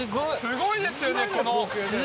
すごいですよね。